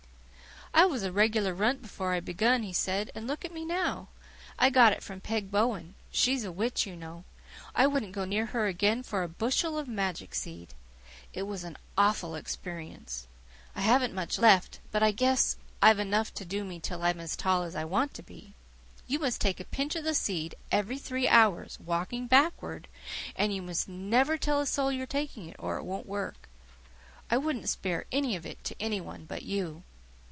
"I was a regular runt before I begun," he said, "and look at me now. I got it from Peg Bowen. She's a witch, you know. I wouldn't go near her again for a bushel of magic seed. It was an awful experience. I haven't much left, but I guess I've enough to do me till I'm as tall as I want to be. You must take a pinch of the seed every three hours, walking backward, and you must never tell a soul you're taking it, or it won't work. I wouldn't spare any of it to any one but you."